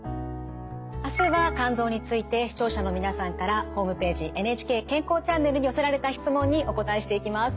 明日は肝臓について視聴者の皆さんからホームページ「ＮＨＫ健康チャンネル」に寄せられた質問にお答えしていきます。